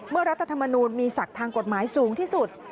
รัฐธรรมนูลมีศักดิ์ทางกฎหมายสูงที่สุด